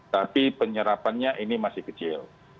tapi penyerapannya ini masih kecil